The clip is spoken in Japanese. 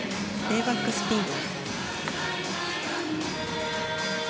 レイバックスピン。